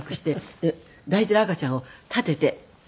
で抱いている赤ちゃんを立てて重いのに。